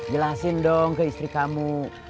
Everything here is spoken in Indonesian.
jelasin dong ke istri kamu